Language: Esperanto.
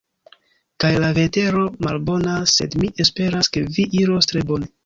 Kaj la vetero malbonas, sed mi esperas ke vi iros tre bone.